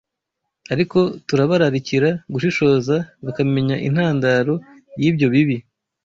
ariko turabararikira gushishoza bakamenya intandaro y’ibyo bibi